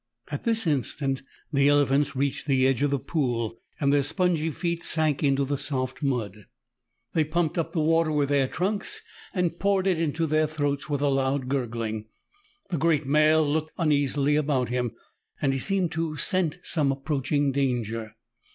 At this instant, the elephants reached the edge of the pool, and their spongy feet sank into the soft mud. They THREE ENGLISHMEN AND THREE RUSSIANS, 8^ pumped up the water with their trunks, and poured it into their throats with a loud gurgling. The great male looked uneasily about him, and seemed to scent some approaching danger.